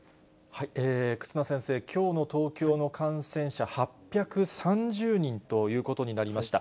忽那先生、きょうの東京の感染者、８３０人ということになりました。